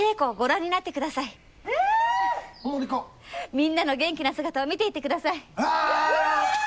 みんなの元気な姿を見ていってください。